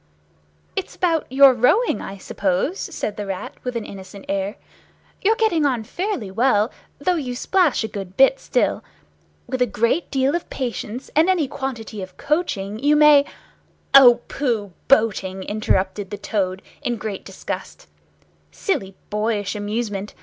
"It's about your rowing, I suppose," said the Rat, with an innocent air. "You're getting on fairly well, though you splash a good bit still. With a great deal of patience, and any quantity of coaching, you may——" "O, pooh! boating!" interrupted the Toad, in great disgust. "Silly boyish amusement.